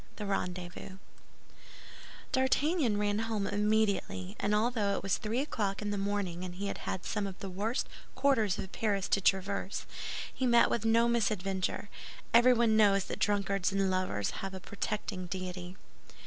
THE RENDEZVOUS D'Artagnan ran home immediately, and although it was three o'clock in the morning and he had some of the worst quarters of Paris to traverse, he met with no misadventure. Everyone knows that drunkards and lovers have a protecting deity.